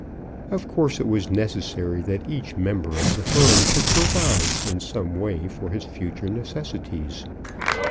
Of course, it was necessary that each member of the firm should provide in some way for his future necessities.